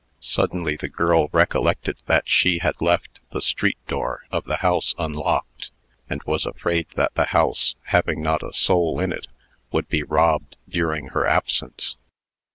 Suddenly, the girl recollected that she had left the street door of the house unlocked, and was afraid that the house, having not a soul in it, would be robbed during her absence.